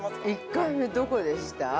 ◆１回目、どこでした？